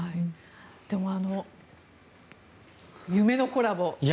でもあの夢のコラボ